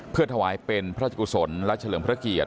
เพื่อถวายเป็นพระราชกุศลและเฉลิมพระเกียรติ